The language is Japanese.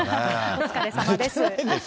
お疲れさまです。